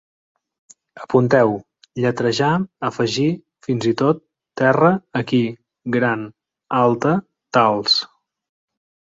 Apunteu: lletrejar, afegir, fins i tot, terra, aquí, gran, alta, tals